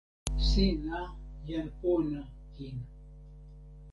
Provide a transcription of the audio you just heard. sina jan pona kin.